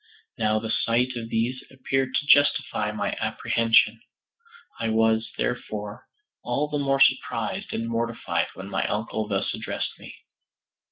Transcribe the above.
Now the sight of these appeared to justify my apprehension. I was, therefore, all the more surprised and mortified when my uncle thus addressed me.